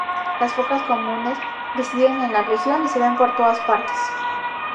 Las focas comunes residen en la región y se ven por todas partes.